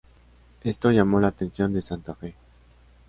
Esto llamó la atención de Santa Fe.